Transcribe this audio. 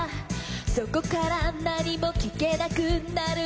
「そこから何も聞けなくなるの」